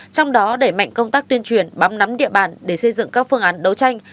trong đó đẩy mạnh công tác tuyên truyền bám nắm địa bàn để xây dựng các phương án đấu tranh